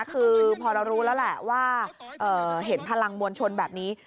คือพอเรารู้แล้วแหละว่าเห็นพลังมวลชนแบบนี้